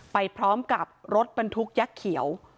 ไปพร้อมกับรถบรรทุกยักษ์เขียว